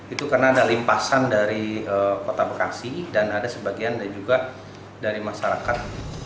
itu karena ada limpasan dari kota bekasi dan ada sebagian juga dari masyarakat